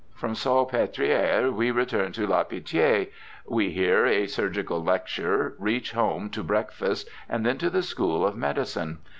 From Sal petriere we hurry to La Pitie ; we hear a surgical lecture, reach home to breakfast, and then to the school of medicine.